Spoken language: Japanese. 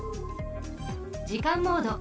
時間モード。